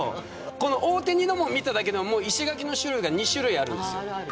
大手二の門を見ただけでも石垣の種類が２種類あるんです。